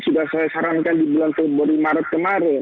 sudah saya sarankan di bulan februari maret kemarin